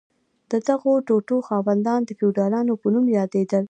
د دغو ټوټو خاوندان د فیوډالانو په نوم یادیدل.